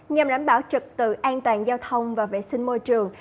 nhằm đảm bảo trật tự an toàn giao thông và vệ sinh môi trường